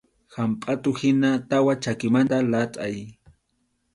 Hampʼatuhina tawa chakimanta latʼay.